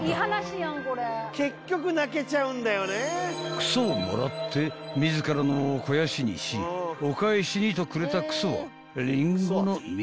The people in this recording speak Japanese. ［クソをもらって自らの肥やしにしお返しにとくれたクソはリンゴの実だった］